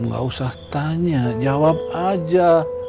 gak usah tanya jawab aja